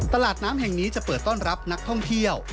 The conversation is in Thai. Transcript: ตลาดน้ำแห่งนี้จะเปิดต้อนรับนักท่องเที่ยว